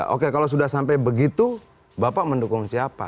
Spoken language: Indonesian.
oke kalau sudah sampai begitu bapak mendukung siapa